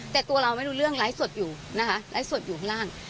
แต่ตัวเราไม่รู้เรื่องไลฟ์สดอยู่นะคะไลฟ์สดอยู่ข้างล่าง